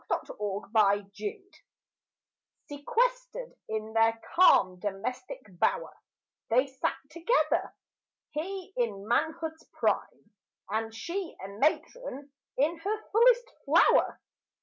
DOMESTIC BLISS IV Sequestered in their calm domestic bower, They sat together. He in manhood's prime And she a matron in her fullest flower.